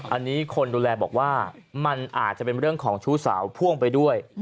อันนี้คนดูแลบอกว่ามันอาจจะเป็นเรื่องของชู้สาวพ่วงไปด้วย